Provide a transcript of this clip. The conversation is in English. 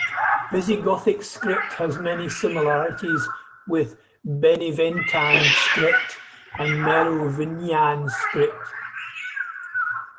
Visigothic script has many similarities with Beneventan script and Merovingian script.